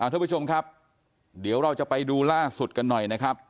ทุกผู้ชมครับเดี๋ยวเราจะไปดูล่าสุดกันหน่อยนะครับ